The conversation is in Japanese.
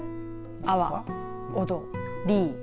あわ、おど、りー。